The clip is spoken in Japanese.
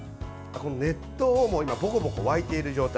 熱湯、今ぼこぼこ沸いている状態。